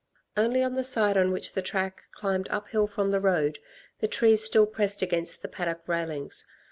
Only on the side on which the track climbed uphill from the road, the trees still pressed against the paddock railings.